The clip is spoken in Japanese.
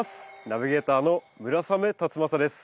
ナビゲーターの村雨辰剛です。